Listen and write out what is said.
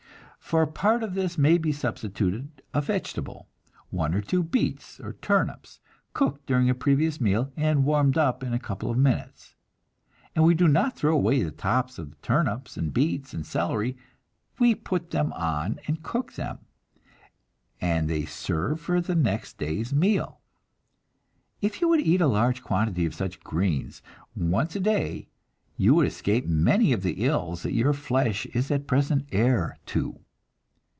For a part of this may be substituted a vegetable, one or two beets or turnips, cooked during a previous meal, and warmed up in a couple of minutes; and we do not throw away the tops of the turnips and beets and celery, we put them on and cook them, and they serve for the next day's meal. If you would eat a large quantity of such "greens" once a day, you would escape many of the ills that your flesh is at present heir to.